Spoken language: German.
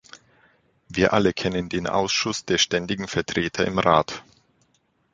Wir alle kennen den Ausschuss der ständigen Vertreter im Rat.